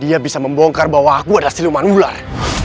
dia bisa membongkar bahwa aku adalah sinuman ular